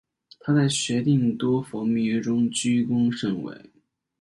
她在协定多佛密约中居功甚伟。